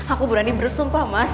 aku berani bersumpah mas